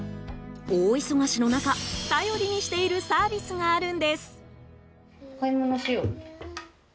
大忙しの中頼りにしているサービスがあるんです。